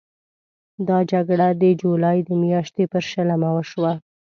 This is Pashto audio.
دا جګړه د جولای د میاشتې پر شلمه وشوه.